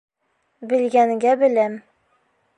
Белгәнгә беләм.